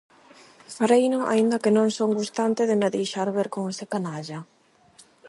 Fareino aínda que non son gustante de me deixar ver con ese canalla.